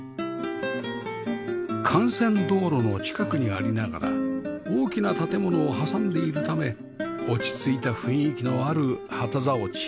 幹線道路の近くにありながら大きな建物を挟んでいるため落ち着いた雰囲気のある旗竿地